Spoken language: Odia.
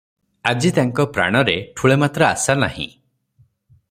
ଆଜି ତାଙ୍କ ପ୍ରାଣରେ ଠୁଳେ ମାତ୍ର ଆଶା ନାହିଁ ।